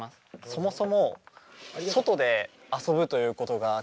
そもそも外で遊ぶということが基本的に。